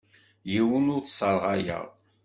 Yiwen ur t-sserɣayeɣ.